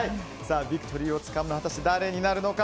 ビクトリーをつかむのは果たして誰になるのか。